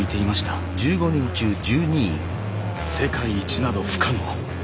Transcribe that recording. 世界一など不可能。